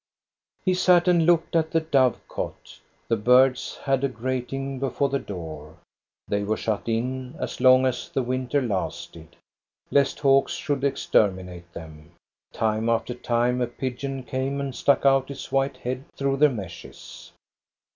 He sat and looked at the dove cote. The birds had a grating before the door. They were shut in, as long as the winter lasted, lest hawks should extermi nate them. Time after time a pigeon came and stuck out its white head through the meshes.